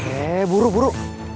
eh buru buru